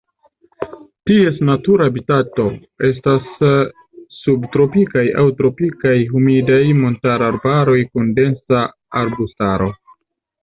Ties natura habitato estas subtropikaj aŭ tropikaj humidaj montararbaroj kun densa arbustaro.